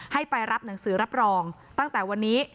ให้ไปรับหนังสือรับรองตั้งแต่วันนี้